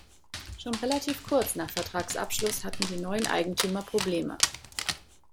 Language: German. Schon relativ kurz nach Vertragsabschluss hatten die neuen Eigentümer Probleme.